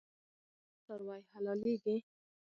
آیا ناروغه څاروي حلاليږي؟